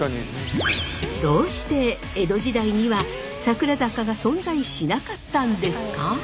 どうして江戸時代には桜坂が存在しなかったんですか？